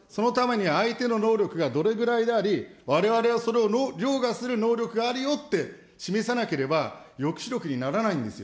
そのためには相手の能力がどれぐらいであり、われわれはそれを凌駕する能力があるよって示さなければ、抑止力にならないんですよ。